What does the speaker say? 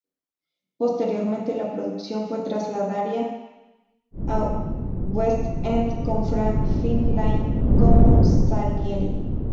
Posteriormente, la producción se trasladaría a West End con Frank Finlay como Salieri.